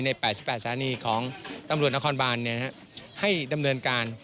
๘๘สถานีของตำรวจนครบานให้ดำเนินการ